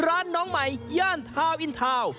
ร้านน้องใหม่ย่านทาวอินทาว